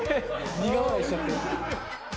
苦笑いしちゃって。